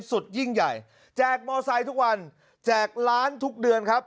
สุดยิ่งใหญ่แจกมอไซค์ทุกวันแจกล้านทุกเดือนครับ